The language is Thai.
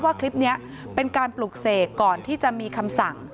ว่าคลิปนี้เป็นการปลุกเสกก่อนที่จะมีคำสั่ง